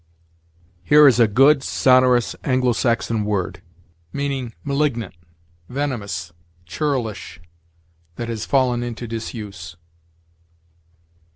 Here is a good, sonorous Anglo Saxon word meaning malignant, venomous, churlish that has fallen into disuse.